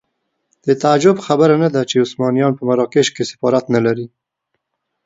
د تعجب خبره نه ده چې عثمانیان په مراکش کې سفارت نه لري.